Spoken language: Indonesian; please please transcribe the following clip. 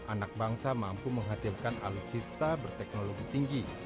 anak bangsa mampu menghasilkan alutsista berteknologi tinggi